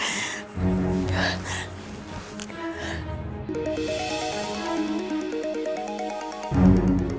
tante aku mau nunggu